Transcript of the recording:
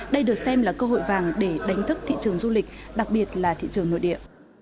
đây được xem là cơ hội vàng để đánh thức thị trường du lịch đặc biệt là thị trường nội địa